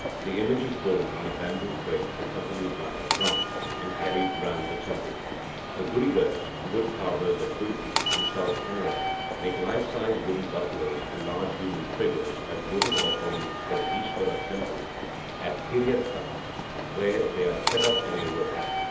The image is borne on a bamboo frame, accompanied by a drum," and carried round the temple. The Gudigars (wood carvers) at Udipi in South Canara make life size wooden buffaloes and large human figures as votive offerings for the Iswara Temple at Hiriadkap, where they are set up in a row.